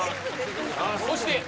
そして。